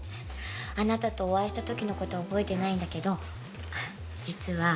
あなたとお会いしたときのこと覚えてないんだけど実は離婚することになってね。